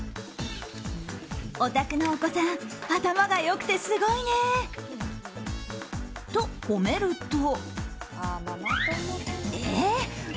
お宅のお子さん頭が良くてすごいね！と褒めると。